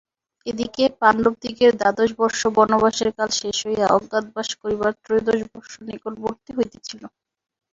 এদিকে পাণ্ডবদিগের দ্বাদশ বর্ষ বনবাসের কাল শেষ হইয়া অজ্ঞাতবাস করিবার ত্রয়োদশ বর্ষ নিকটবর্তী হইতেছিল।